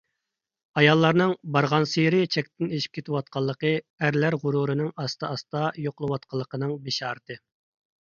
ئاياللارنىڭ بارغانسېرى چەكتىن ئېشىپ كېتىۋاتقانلىقى ئەرلەر غۇرۇرىنىڭ ئاستا-ئاستا يوقىلىۋاتقانلىقىنىڭ بېشارىتى.